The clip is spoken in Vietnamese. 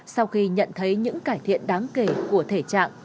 sau khi nhận thấy những cải thiện đáng kể của thể trạng